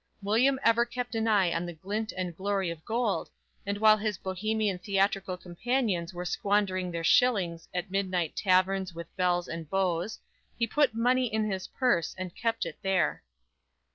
William ever kept an eye on the glint and glory of gold, and while his bohemian theatrical companions were squandering their shillings at midnight taverns with "belles and beaux" he "put money in his purse," and kept it there.